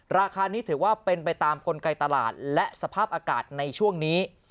ราคานี้ถือว่าเป็นไปตามกลไกตลาดและสภาพอากาศในช่วงนี้